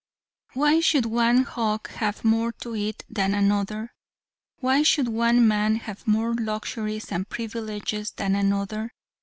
Why should one hog have more to eat than another? Why should one man have more luxuries and privileges than another?